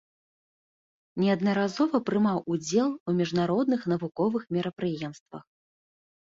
Неаднаразова прымаў удзел у міжнародных навуковых мерапрыемствах.